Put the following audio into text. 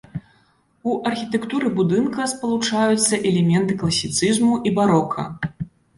У архітэктуры будынка спалучаюцца элементы класіцызму і барока.